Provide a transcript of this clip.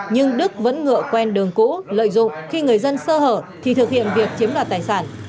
nhưng đức vẫn ngựa quen đường cũ lợi dụng khi người dân sơ hở thì thực hiện việc chiếm đoạt tài sản